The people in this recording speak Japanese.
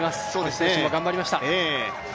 星選手も頑張りました。